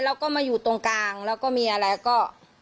แล้วก็มาอยู่ตรงกลางแล้วก็มีอะไรก็